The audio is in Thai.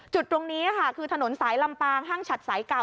จุดตรงนี้ค่ะคือถนนสายลำปางห้างฉัดสายเก่า